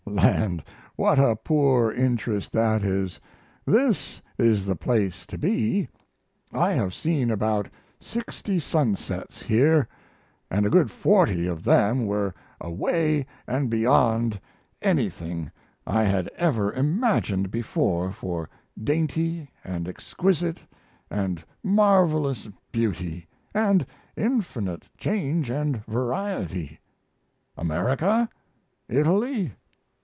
land, what a poor interest that is! This is the place to be. I have seen about 60 sunsets here; & a good 40 of them were away & beyond anything I had ever imagined before for dainty & exquisite & marvelous beauty & infinite change & variety. America? Italy?